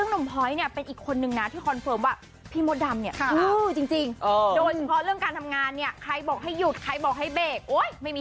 นะก็เป็นอีกคนนึงนะที่คอมเฟิร์มว่าพี่มดดำเนี่ยมือจริงจริงโดยสิ่งเรื่องการทำงานเนี่ยใครบอกให้หยุดขายบอกให้เบรกหอยไม่มี